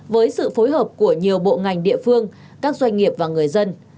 với sự phối hợp của nhiều bộ ngành địa phương các doanh nghiệp và người dân